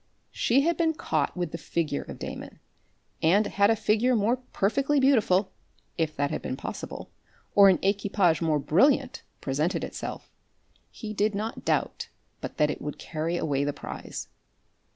She had been caught with the figure of Damon. And had a figure more perfectly beautiful, if that had been possible, or an equipage more brilliant, presented itself, he did not doubt but that it would carry away the prize.